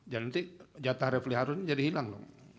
jangan nanti jatah refleharun jadi hilang dong